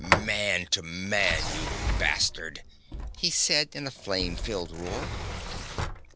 "Man to man, you bastard!" he said in a flame filled roar.